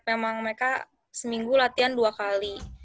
memang mereka seminggu latihan dua kali